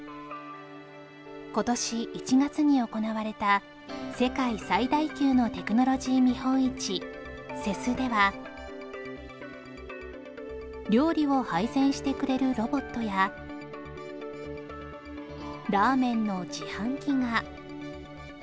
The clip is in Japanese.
今年１月に行われた世界最大級のテクノロジー見本市 ＣＥＳ では料理を配膳してくれるロボットやラーメンの自販機が